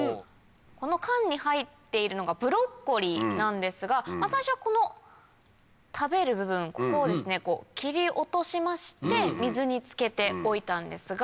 この缶に入っているのがブロッコリーなんですが最初はこの食べる部分ここをですね切り落としまして水につけておいたんですが。